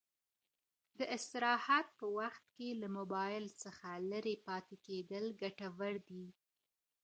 د استراحت په وخت کې له موبایل څخه لیرې پاتې کېدل ګټور دي.